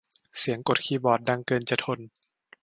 เสียงกดคีย์บอร์ดดังเกินจะทน